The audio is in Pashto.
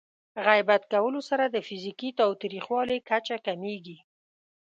غیبت کولو سره د فزیکي تاوتریخوالي کچه کمېږي.